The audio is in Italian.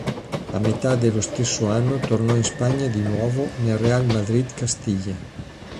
A metà dello stesso anno tornò in Spagna di nuovo nel Real Madrid Castilla.